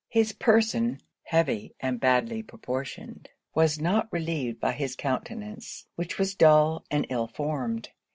His person, heavy and badly proportioned, was not relieved by his countenance, which was dull and ill formed.